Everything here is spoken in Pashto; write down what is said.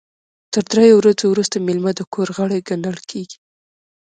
تر دریو ورځو وروسته میلمه د کور غړی ګڼل کیږي.